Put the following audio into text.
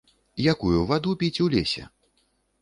Якую ваду піць у лесе?